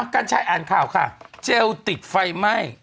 กัญชัยอ่านข่าวค่ะเจลติดไฟไหม้